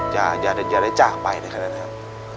อย่าได้จากไปนะครับ